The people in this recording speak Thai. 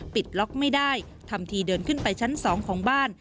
ปิดล็อกไม่ได้ทำทีเดินขึ้นไปชั้น๒ของบ้าน